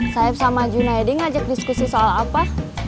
saeb sama junaedi ngajak diskusi soal apa